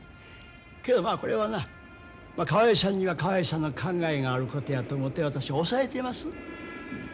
けどまあこれはな河合さんには河合さんの考えがあることやと思って私抑えてます。